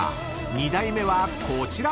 ［２台目はこちら］